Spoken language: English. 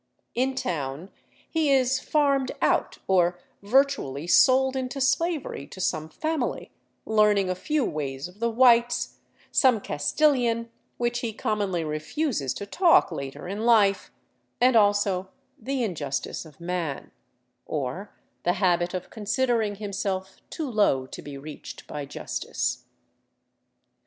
In town he is " farmed out," or virtually sold into slavery to some family, learning a few ways of the whites, some Castilian, which he commonly refuses to talk later in life, and also the injustice of man, or the habit of considering himself too low to be reached by justice.